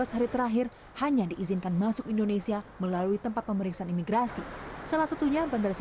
kami sendiri dari angkasa pura ii bersama satgas membentuk posko pengendalian pengawasan repatriasi